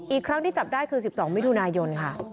อีกครั้งที่จับได้คือ๑๒มิถุนายนค่ะ